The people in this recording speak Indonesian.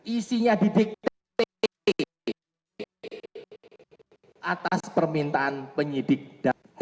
isinya didiktirkan atas permintaan penyidik damra manik